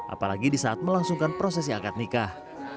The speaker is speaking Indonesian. apalagi di saat melangsungkan prosesi akad nikah